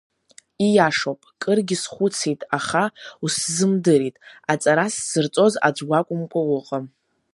Ииашоуп, кыргьы схәыцит, аха усзымдырит, аҵара зсырҵоз аӡә уакәымкәа уҟам…